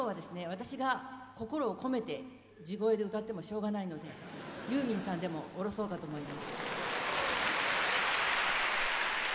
私が心を込めて地声で歌ってもしょうがないのでユーミンさんでも降ろそうかと思います。